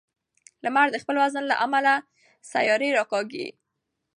لمر د خپل وزن له امله سیارې راکاږي.